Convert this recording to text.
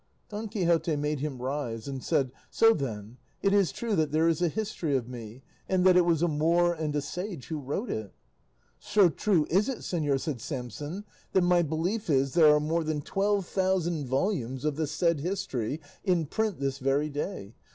Don Quixote made him rise, and said, "So, then, it is true that there is a history of me, and that it was a Moor and a sage who wrote it?" "So true is it, señor," said Samson, "that my belief is there are more than twelve thousand volumes of the said history in print this very day.